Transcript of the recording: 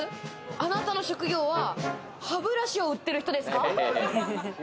あなたの職業は歯ブラシを売ってる人ですか？